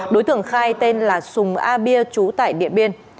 đối tượng khai tên là sùng a bia trú tại điện biên